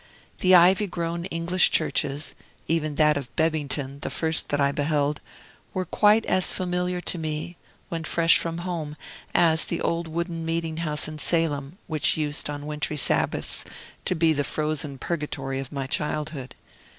The ivy grown English churches (even that of Bebbington, the first that I beheld) were quite as familiar to me, when fresh from home, as the old wooden meeting house in Salem, which used, on wintry Sabbaths, to be the frozen purgatory of my childhood.